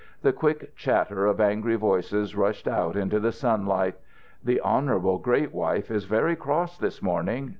The quick chatter of angry voices rushed out into the sunlight. "The honourable great wife is very cross this morning."